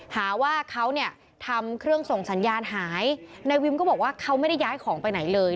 หาว่าเขาเนี่ยทำเครื่องส่งสัญญาณหายนายวิมก็บอกว่าเขาไม่ได้ย้ายของไปไหนเลย